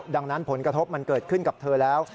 ดังนั้นผลกระทบมันเกิดขึ้นกับเธอแล้ว